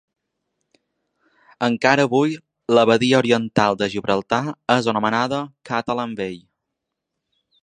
Encara avui la badia oriental de Gibraltar és anomenada ‘Catalan Bay’.